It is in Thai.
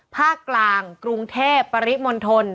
ภาคกลางกรุงเทพปริมณฑล